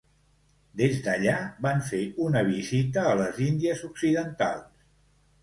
Des d'allà, van fer una visita a les Índies Occidentals.